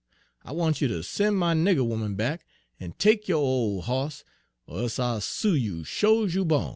I wants you ter sen' my nigger 'oman back en take yo' ole hoss, er e'se I'll sue you, sho's you bawn.'